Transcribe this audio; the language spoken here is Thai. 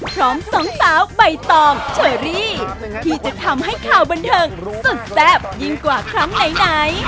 สองสาวใบตองเชอรี่ที่จะทำให้ข่าวบันเทิงสุดแซ่บยิ่งกว่าครั้งไหน